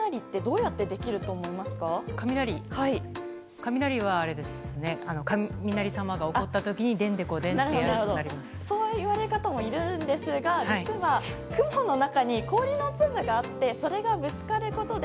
雷はあれですね、雷様が怒ったときに、そう言われる方もいるんですが、実は、雲の中に氷の粒があって、それがぶつかることで、